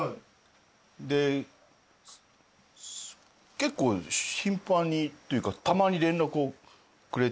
結構頻繁にというかたまに連絡をくれて。